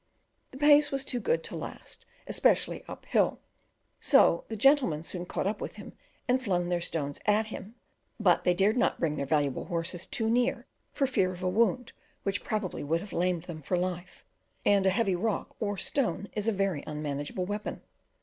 The pace was too good to last, especially up hill; so the gentlemen soon caught him up, and flung their stones at him, but they dared not bring their valuable horses too near for fear of a wound which probably would have lamed them for life; and a heavy, rock or stone is a very unmanageable weapon.